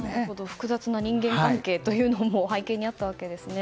複雑な人間関係も背景にあったわけですね。